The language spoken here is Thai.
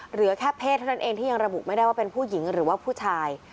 เหลือแค่เพศเท่านั้นเองที่ยังระบุไม่ได้ว่าเป็นผู้หญิงหรือว่าผู้ชาย